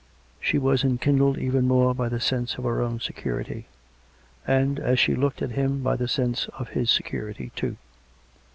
... She was enkindled even more by the sense of her own security; and, as she looked at him, by the sense of his security too.